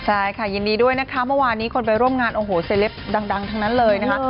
ใช่ค่ะยินดีด้วยนะคะเมื่อวานนี้คนไปร่วมงานโอ้โหเซลปดังทั้งนั้นเลยนะคะ